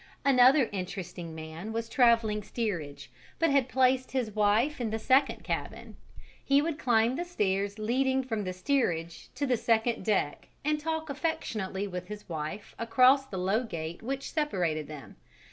Another interesting man was travelling steerage, but had placed his wife in the second cabin: he would climb the stairs leading from the steerage to the second deck and talk affectionately with his wife across the low gate which separated them.